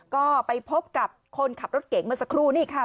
ก็ไปพบกับคนขับรถเก่งเมื่อสักครู่นี่ค่ะ